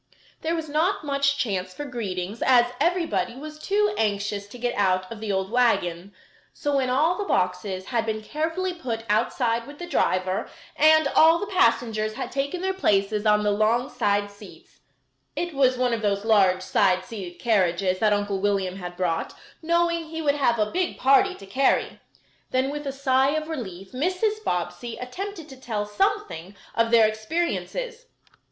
There was not much chance for greetings as everybody was too anxious to get out of the old wagon. So, when all the boxes had been carefully put outside with the driver, and all the passengers had taken their places on the long side seats (it was one of those large side seated carriages that Uncle William had brought, knowing he would have a big party to carry), then with a sigh of relief Mrs. Bobbsey attempted to tell something of their experiences.